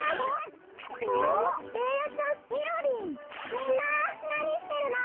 みんななにしてるの？